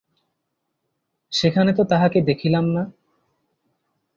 সেখানে তো তাঁহাকে দেখিলাম না।